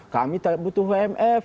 kami butuh imf